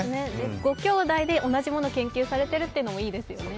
ごきょうだいで同じものを研究されているというのもいいですよね。